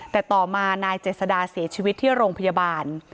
แต่ต่อมานายเจษดาเสียชีวิตที่โรงพยาบาล